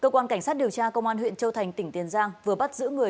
cơ quan cảnh sát điều tra công an huyện châu thành tỉnh tiền giang vừa bắt giữ người